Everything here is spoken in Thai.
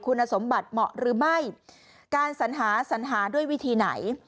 คุณสมบัติเหมาะหรือไม่การสัญหาสัญหาด้วยวิธีไหน